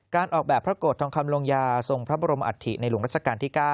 การออกแบบพระโกรธทองคำลงยาทรงพระบรมอัฐิในหลวงรัชกาลที่๙